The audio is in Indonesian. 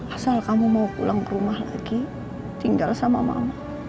asal kamu mau pulang ke rumah lagi tinggal sama mama